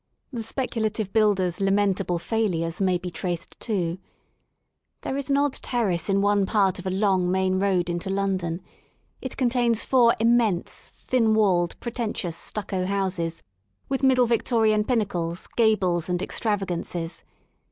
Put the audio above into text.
The speculative builder's lamentable failures may be traced too. There is an odd terrace in one part of a long main road into London, it contains four immense^ thin walled, pretentious stucco houses, with middle Victorian pinnacles, gables and extravagances.